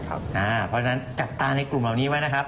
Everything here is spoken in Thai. เพราะฉะนั้นจับตาในกลุ่มเหล่านี้ไว้นะครับ